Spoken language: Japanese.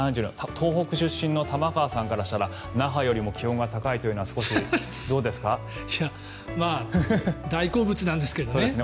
東北出身の玉川さんからしたら那覇よりも気温が高いというのは大好物なんですけどね。